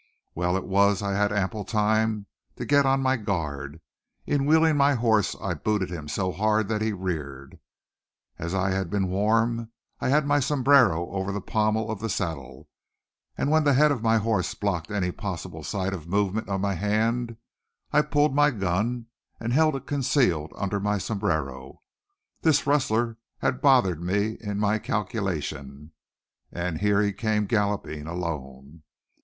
Well it was I had ample time to get on my guard! In wheeling my horse I booted him so hard that he reared. As I had been warm I had my sombrero over the pommel of the saddle. And when the head of my horse blocked any possible sight of movement of my hand, I pulled my gun and held it concealed under my sombrero. This rustler had bothered me in my calculations. And here he came galloping, alone.